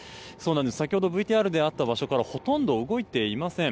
先ほどＶＴＲであった場所からほとんど動いていません。